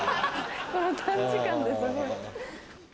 この短時間ですごい。